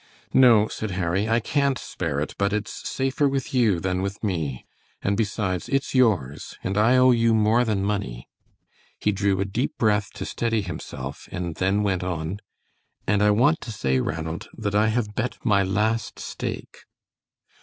"No," said Harry, "I can't spare it, but it's safer with you than with me, and besides, it's yours. And I owe you more than money." He drew a deep breath to steady himself, and then went on: "And I want to say, Ranald, that I have bet my last stake."